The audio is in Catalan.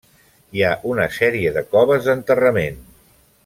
Hi ha una sèrie de coves d'enterrament.